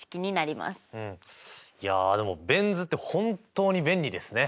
いやでもベン図って本当に便利ですね！